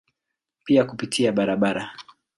Pia kupitia barabara.